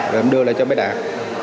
rồi em đưa lại cho bấy đạt